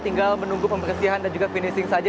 tinggal menunggu pembersihan dan juga finishing saja